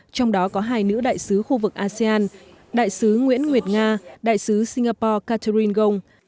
trong đó có hai nữ đại sứ khu vực asean đại sứ nguyễn nguyệt nga đại sứ singapore catherine gong